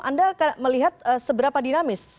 anda melihat seberapa dinamis